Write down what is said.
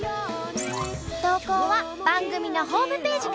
投稿は番組のホームページから。